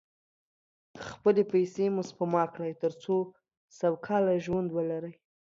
خپلې پیسې مو سپما کړئ، تر څو سوکاله ژوند ولرئ.